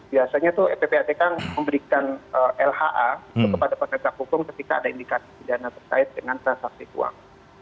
biasanya tuh ppatk memberikan lha kepada penegak hukum ketika ada indikasi pidana terkait dengan transaksi keuangan